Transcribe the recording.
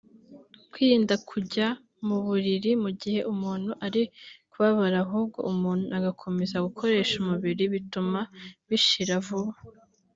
Kwirinda kujya mu buriri mu gihe umuntu ari kubabara ahubwo umuntu agakomeza gukoresha umubiri bituma bishira vuba